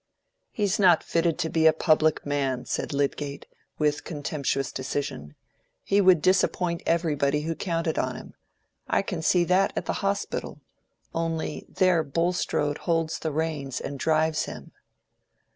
"He's not fitted to be a public man," said Lydgate, with contemptuous decision. "He would disappoint everybody who counted on him: I can see that at the Hospital. Only, there Bulstrode holds the reins and drives him."